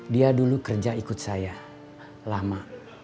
dia dulu kerja ikut saya lama